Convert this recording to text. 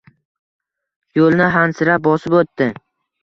Yo‘lni hansirab bosib o‘tdi.